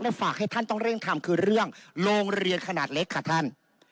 และฝากให้ท่านต้องเร่งทำคือเรื่องโรงเรียนขนาดเล็กค่ะท่าน